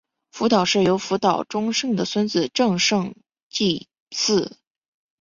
福岛氏由福岛忠胜的孙子正胜继嗣。